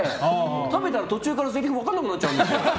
食べたら途中からせりふが分からなくなっちゃうんですよ。